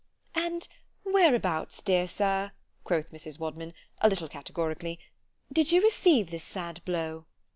_ —And whereabouts, dear sir, quoth Mrs. Wadman, a little categorically, did you receive this sad blow?